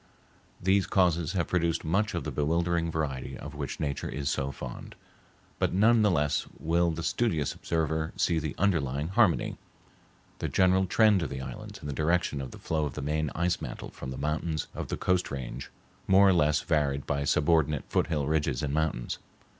These causes have produced much of the bewildering variety of which nature is so fond, but none the less will the studious observer see the underlying harmony—the general trend of the islands in the direction of the flow of the main ice mantle from the mountains of the Coast Range, more or less varied by subordinate foothill ridges and mountains.